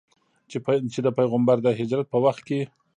چې د پیغمبر د هجرت په وخت کې.